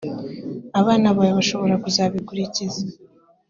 abana bawe bashobora kuzabikurikiza